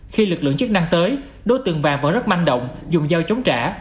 khi lực lượng chức năng tới đối tượng vàng vẫn rất manh động dùng dao chống trả